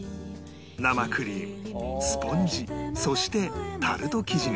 生クリームスポンジそしてタルト生地が